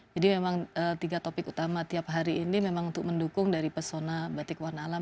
jadi memang tiga topik utama tiap hari ini memang untuk mendukung dari persona batik warna alam